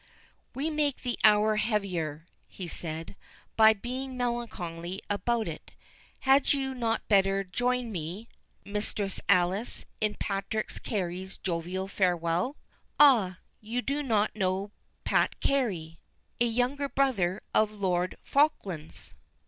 "We make the hour heavier," he said, "by being melancholy about it. Had you not better join me, Mistress Alice, in Patrick Carey's jovial farewell?—Ah, you do not know Pat Carey—a younger brother of Lord Falkland's?"